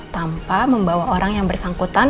tanpa membawa orang yang bersangkutan